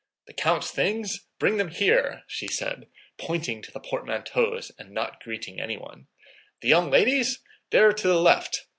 "The count's things? Bring them here," she said, pointing to the portmanteaus and not greeting anyone. "The young ladies'? There to the left.